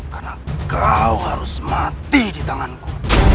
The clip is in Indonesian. karena kau harus mati di tanganku